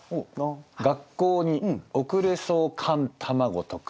「学校に遅れそう寒卵とく」。